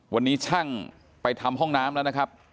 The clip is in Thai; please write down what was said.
วันนี้ช่างไปทำห้องน้ำแล้วนะครับ